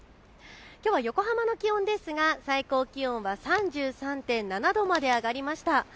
きょうは横浜の気温ですが最高気温は３３．７度まで上がりました。